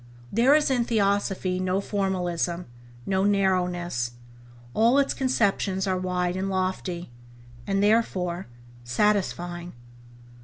There is in Theosophy no formalism, no narrowness, all its conceptions are wide and lofty, and, therefore, satisfying.